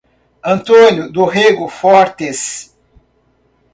Antônio do Rego Fortes